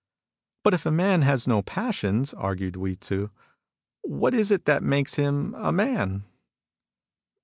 " But if a man has no passions," argued Hui Tzu, " what is it that makes him a man